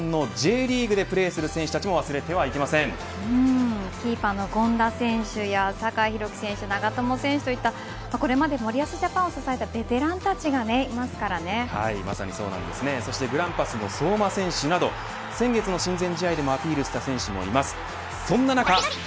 そして日本のＪリーグでプレーする選手たちもキーパーの権田選手や酒井宏樹選手長友選手といったこれまで森保ジャパンを支えたそしてグランパスの相馬選手など先月の親善試合でもアピールした選手もいます。